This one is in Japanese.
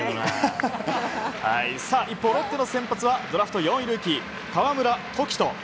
一方、ロッテの先発はドラフト４位ルーキー、河村説人。